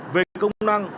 về công năng